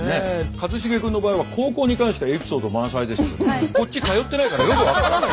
一茂君の場合は高校に関してはエピソード満載でしたけどこっち通ってないからよく分からない。